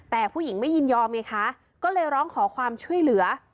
แต่ผู้หญิงไม่ยินยอมไงคะก็เลยร้องขอความช่วยเหลือ